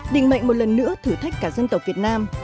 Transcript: định mệnh một lần nữa thử thách cả dân tộc việt nam